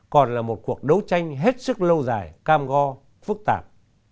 còn là một cuộc đấu tranh hết sức lâu dài cam go phức tạp